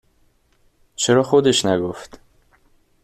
چرا خودش نگفت؟